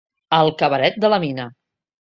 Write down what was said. El cabaret de la mina.